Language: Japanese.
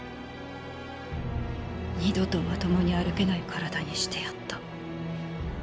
二度とまともに歩けない体にしてやった。